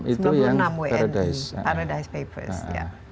sembilan puluh enam itu yang paradise papers